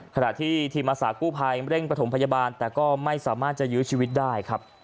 ขณะที่ทีมอาสากู้ภัยเร่งประถมพยาบาลแต่ก็ไม่สามารถจะยื้อชีวิตได้ครับ